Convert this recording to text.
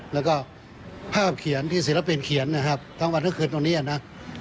แล้วก็ภาพเขียนที่ศิลปินเขียนนะครับทั้งวันทั้งคืนตรงนี้นะ